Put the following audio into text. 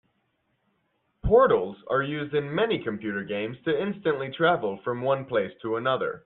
Portals are used in many computer games to instantly travel from one place to another.